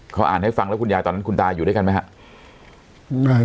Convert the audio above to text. เขาอ่านให้ฟังแล้วคุณยายตอนนั้นคุณตาอยู่ด้วยกันไหมครับ